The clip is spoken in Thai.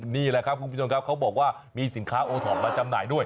นี่แหละครับคุณผู้ชมครับเขาบอกว่ามีสินค้าโอท็อปมาจำหน่ายด้วย